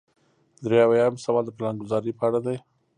درې اویایم سوال د پلانګذارۍ په اړه دی.